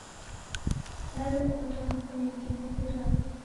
Naw'ekunda nikuneke nguw'I rapo.